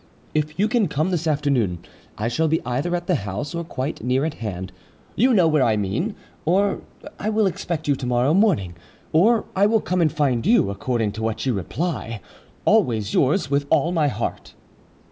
If you can come this afternoon, I shall be either at the house or quite near at hand, you know where I mean, or I will expect you tomorrow morning, or I will come and find you, according to what you reply.—Always yours with all my heart."